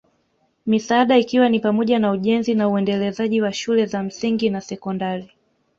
Misaada ikiwa ni pamoja na ujenzi na uendelezaji wa shule za msingi na sekondari